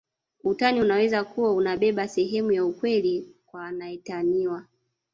Utani unaweza kuwa unabeba sehemu ya ukweli kwa anaetaniwa